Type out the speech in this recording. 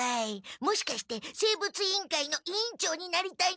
もしかして生物委員会の委員長になりたいのでは？